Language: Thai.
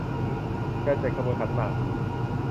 การจัดขบวนขันหมาก